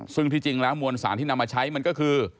ซึ่งที่จริงแล้วมวลสารที่นำมาใช้มันก็คือ